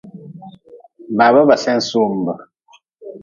Baaba ba sen sumbe.